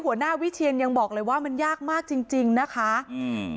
หัวหน้าวิเชียนยังบอกเลยว่ามันยากมากจริงจริงนะคะอืม